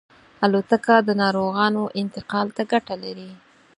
الوتکه د ناروغانو انتقال ته ګټه لري.